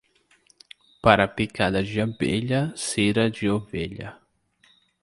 Para picada de abelha, cera de ovelha.